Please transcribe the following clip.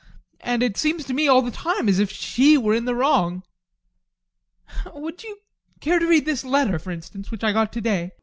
And it seems to me all the time as if she were in the wrong Would you care to read this letter, for instance, which I got today?